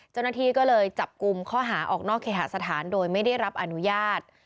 เจ้าหน้าที่ก็เลยจับกลุ่มข้อหาออกนอกเคหาสถานโดยไม่ได้รับอนุญาต